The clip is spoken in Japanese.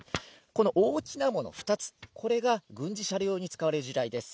この大きなもの２つ、これが軍事車両用に使われる地雷です。